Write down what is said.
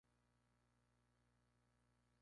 Vuestra Majestad está ahora sola y viviendo en soledad.